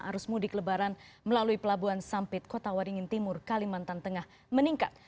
arus mudik lebaran melalui pelabuhan sampit kota waringin timur kalimantan tengah meningkat